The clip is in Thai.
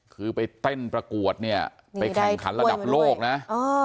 คือไปเต้นประกวดเนี่ยไปแข่งขันระดับโลกนะ